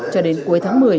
cho đến cuối tháng một mươi